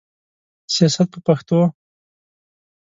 سیاست په پښتو.